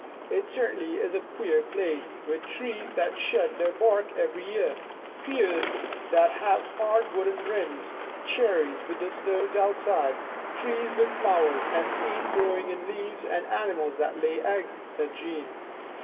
" It certainly is a queer place, with trees that shed their bark every year, pears that have hard wooden rinds, cherries with the stones outside, trees with flowers and seeds growing in the leaves and animals that lay eggs," said Jean.